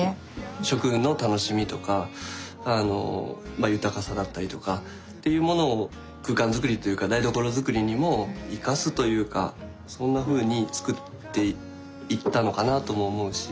食の楽しみとか豊かさだったりとかっていうものを空間づくりというか台所づくりにも生かすというかそんなふうにつくっていったのかなとも思うし。